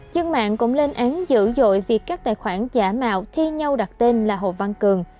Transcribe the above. dân mạng cũng lên án dữ dội việc các tài khoản giả mạo thi nhau đặt tên là hồ văn cường